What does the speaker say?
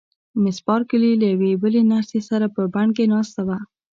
مس بارکلي له یوې بلې نرسې سره په بڼ کې ناسته وه.